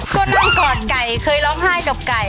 ก็นั่งกอดไก่เคยร้องไห้กับไก่